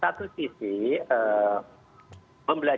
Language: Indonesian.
satu sisi yang harus diperlukan